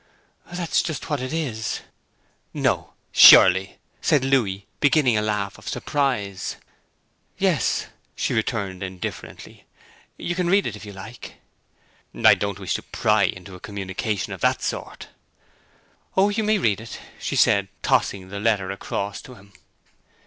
'That's just what it is.' 'No, surely?' said Louis, beginning a laugh of surprise. 'Yes,' she returned indifferently. 'You can read it, if you like.' 'I don't wish to pry into a communication of that sort.' 'Oh, you may read it,' she said, tossing the letter across to him.